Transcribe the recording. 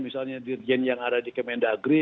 misalnya dirjen yang ada di kemendagri